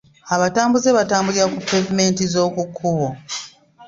Abatambuze batambulira ku pevumenti z'oku kkubo.